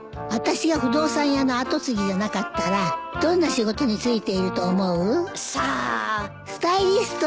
私が不動産屋の後継ぎじゃなかったらどんな仕事に就いていると思う？さあ。